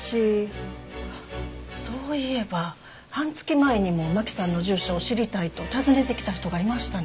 あっそういえば半月前にも真木さんの住所を知りたいと訪ねてきた人がいましたね。